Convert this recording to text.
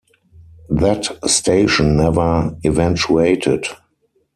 That station never eventuated.